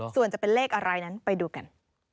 ส่วนจะเป็นเลขอะไรนั้นไปดูกัน